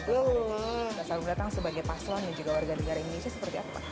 loh selalu datang sebagai paslon dan juga warga negara indonesia seperti apa pak